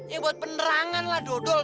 ya buat penerangan lah dodol